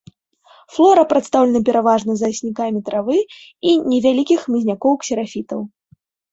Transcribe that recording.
Флора прадстаўлена пераважна зараснікамі травы і невялікіх хмызнякоў-ксерафітаў.